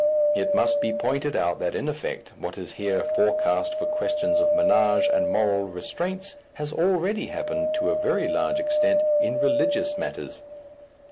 It must be pointed out that in effect, what is here forecast for questions of ménage and moral restraints has already happened to a very large extent in religious matters.